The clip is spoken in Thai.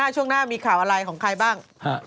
ช่วงหน้ามีข่าวอะไรของใครบ้าง